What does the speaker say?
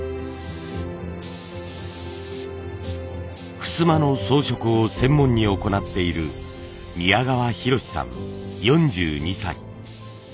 ふすまの装飾を専門に行っている宮川寛司さん４２歳。